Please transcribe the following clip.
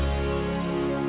incent tak hijau sama aja